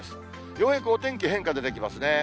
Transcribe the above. ようやくお天気、変化出てきますね。